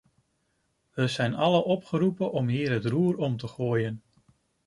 We zijn allen opgeroepen om hier het roer om te gooien.